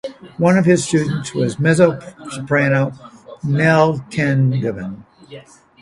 One of his students was mezzo-soprano Nell Tangeman.